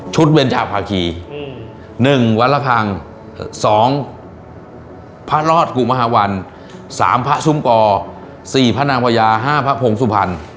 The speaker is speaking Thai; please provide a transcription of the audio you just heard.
ชุดเวรจากภาคี๑วรรคัง๒พระรอศกุมหาวัน๓พระสุมกร๔พระนามวัยา๕พระโผงสุพรรณ